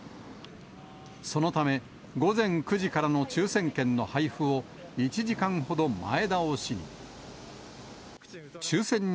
そのため、午前９時からの抽せん券の配布を１時間ほど前倒しに。